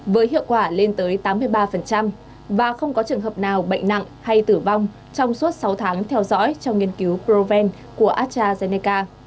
với hiệu quả lên tới tám mươi ba và không có trường hợp nào bệnh nặng hay tử vong trong suốt sáu tháng theo dõi trong nghiên cứu kroven của astrazeneca